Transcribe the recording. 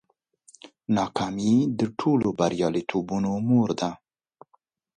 ناکامي د ټولو بریالیتوبونو مور ده.